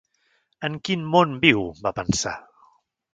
En quin món viu?, va pensar.